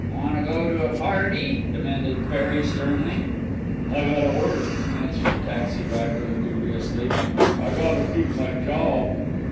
"Wanta go to a party?" demanded Perry sternly. "I gotta work," answered the taxi driver lugubriously. "I gotta keep my job."